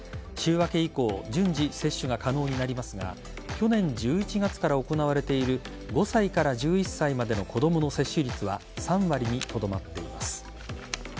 週明け以降順次、接種が可能になりますが去年１１月から行われている５歳から１１歳までの子供の接種率は３割にとどまっています。